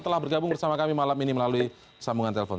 telah bergabung bersama kami malam ini melalui sambungan telepon